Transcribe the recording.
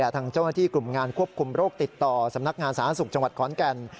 ทางเจ้าหน้าที่กลุ่มงานควบคุมโรคติดต่อสำนักงานสาธารณสุขจังหวัดขอนแก่น